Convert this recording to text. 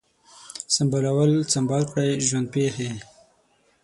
سمبالول ، سمبال کړی ، ژوند پیښې